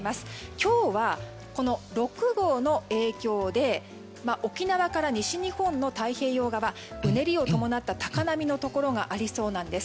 今日は６号の影響で沖縄から西日本の太平洋側、うねりを伴った高波のところがありそうなんです。